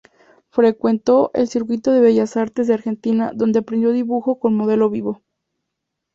Frecuentó el círculo de Bellas artes de Argentina, donde aprendió dibujo con modelo vivo.